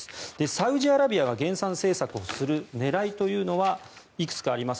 サウジアラビアが減産政策をする狙いというのがいくつかあります。